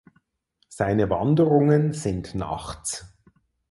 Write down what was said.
Seine Wanderungen sind Nachts.